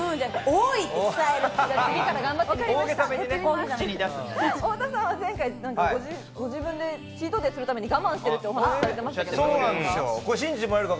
太田さんは前回、ご自分でチートデイするために我慢してるって、お話されてましたが。